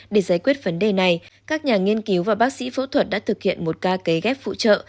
để giải quyết vấn đề này các nhà nghiên cứu và bác sĩ phẫu thuật đã thực hiện một ca cấy ghép phụ trợ